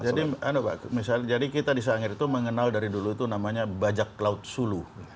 jadi misalnya kita di sangir itu mengenal dari dulu itu namanya bajak laut sulu